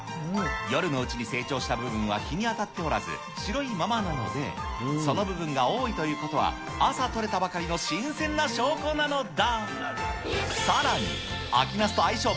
夜のうちに成長した部分は日に当たっておらず、白いままなので、その部分が多いということは、朝採れたばかりの新鮮な証拠なのだ。